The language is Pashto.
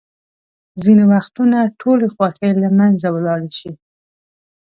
ځینې وختونه ټولې خوښۍ له منځه ولاړې شي.